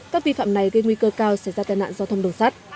các vi phạm này gây nguy cơ cao xảy ra tai nạn giao thông đường sắt